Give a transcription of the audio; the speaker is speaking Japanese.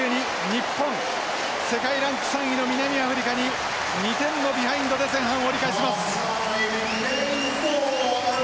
日本世界ランク３位の南アフリカに２点のビハインドで前半を折り返します。